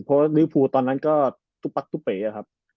เพราะว่าริวภูตอนนั้นก็ตุ๊ปั๊กตุ๊เป๋อครับ